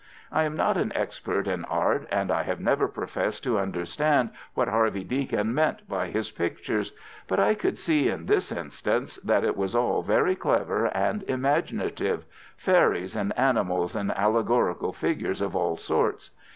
I am not an expert in art, and I have never professed to understand what Harvey Deacon meant by his pictures; but I could see in this instance that it was all very clever and imaginative, fairies and animals and allegorical figures of all sorts.